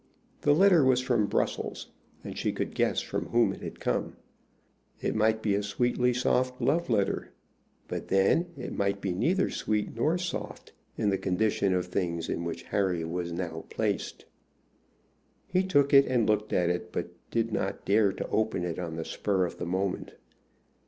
The letter was from Brussels, and she could guess from whom it had come. It might be a sweetly soft love letter; but then it might be neither sweet nor soft, in the condition of things in which Harry was now placed. He took it and looked at it, but did not dare to open it on the spur of the moment.